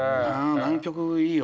南極いいよ。